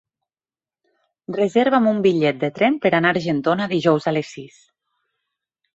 Reserva'm un bitllet de tren per anar a Argentona dijous a les sis.